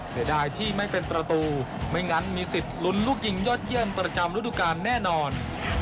เสียดายที่ไม่เป็นประตูไม่งั้นมีสิทธิ์ลุ้นลูกยิงยอดเยี่ยมประจำฤดูกาลแน่นอน